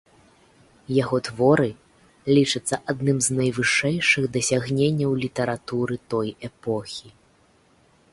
Яго творы лічацца адным з найвышэйшых дасягненняў літаратуры той эпохі.